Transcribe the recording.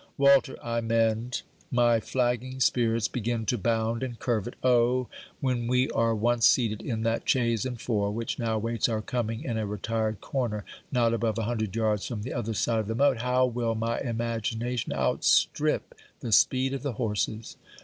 Walter, I mend! My flagging spirits begin to bound and curvet. Oh! when we are once seated in that chaise and four, which now waits our coming in a retired corner, not above a hundred yards from the other side of the moat, how will my imagination outstrip the speed of the horses!